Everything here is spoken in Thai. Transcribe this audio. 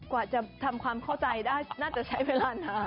กว่าจะทำความเข้าใจได้น่าจะใช้เวลานาน